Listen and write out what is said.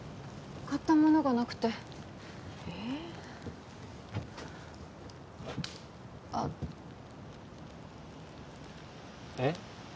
買ったものがなくてええあっえっ？